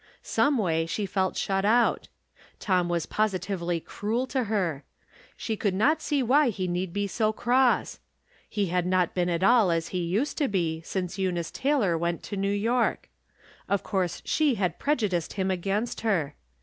Someway, she felt shut out. Tom was .positively cruel to her. She could not see why he need be so cross. He had not been at all as he used to be since Eu nice Taylor went to New York. Of course she had prejudiced him against her.